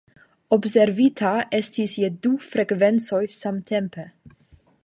Observita estis je du frekvencoj samtempe.